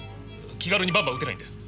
気軽にバンバン撃てないんだよ。